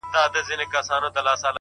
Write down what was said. o چي د ارواوو په نظر کي بند سي ـ